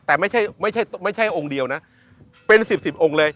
แต่ไม่ใช่ไม่ใช่ไม่ใช่องค์เดียวนะเป็นสิบสิบองค์เลย